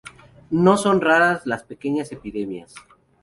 No son raras las pequeñas epidemias.